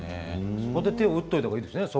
そこで手を打っておいた方がいいですね。